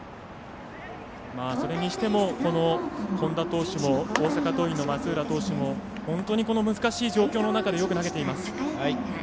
それにしても、本田投手も大阪桐蔭の松浦投手も本当にこの難しい状況の中でよく投げています。